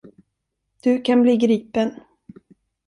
Du kan bli gripen.